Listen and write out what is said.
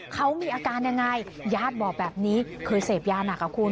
เขามีอาการยังไงญาติบอกแบบนี้เคยเสพยาหนักอ่ะคุณ